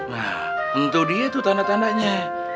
nah tentu dia tuh tanda tandanya